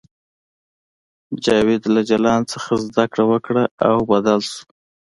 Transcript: جاوید له جلان څخه زده کړه وکړه او بدل شو